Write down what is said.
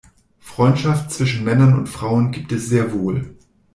Freundschaft zwischen Männern und Frauen gibt es sehr wohl.